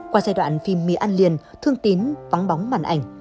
qua giai đoạn phim mì an liên thương tín vắng bóng màn ảnh